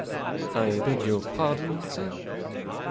" I beg your pardon, sir